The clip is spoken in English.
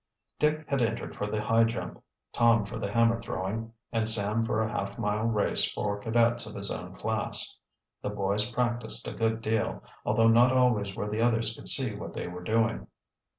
Dick had entered for the high jump, Tom for the hammer throwing, and Sam for a half mile race for cadets of his own class. The boys practiced a good deal, although not always where the others could see what they were doing.